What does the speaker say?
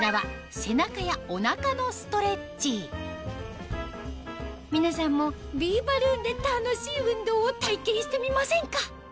こちらは皆さんもビーバルーンで楽しい運動を体験してみませんか？